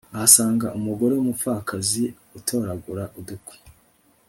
ahasanga umugore wumupfakazi utoragura udukwi